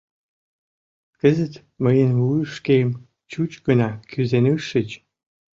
Кызыт мыйын вуйышкем чуч гына кӱзен ыш шич.